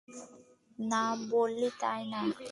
না, বলিনি, তাই না?